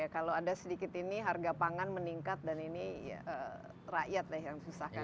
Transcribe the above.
kalau ada sedikit ini harga pangan meningkat dan ini rakyat yang susahkan